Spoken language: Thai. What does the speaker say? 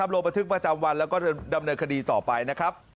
ลงบันทึกประจำวันแล้วก็ดำเนินคดีต่อไปนะครับ